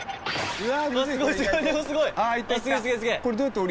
うわ！